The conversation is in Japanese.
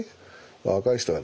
若い人がね